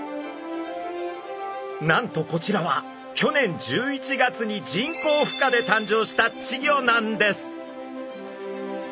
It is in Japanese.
なんとこちらは去年１１月に人工ふ化で誕生した稚魚なんです。